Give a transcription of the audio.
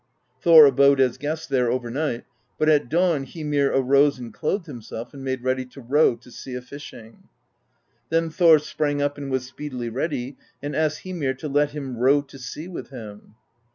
Thor abode as guest there overnight; but at dawn Hymir arose and clothed him self and made ready to row to sea a fishing. Then Thor sprang up and was speedily ready, and asked Hymir to let him row to sea with him.